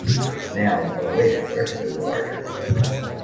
Nails are related, but are typically larger.